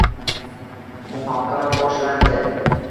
Muhokama boshlandi.